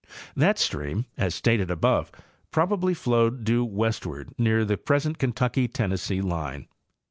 That stream, as stated above, probably flowed due westward near the present Kentucky Tennessee line.